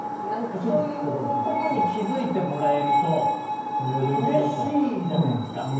何かそういうとこに気付いてもらえるとうれしいじゃないですか。